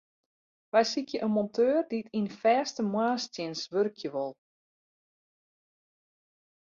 Wy sykje in monteur dy't yn fêste moarnstsjinst wurkje wol.